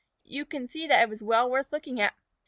You can see that it was well worth looking at.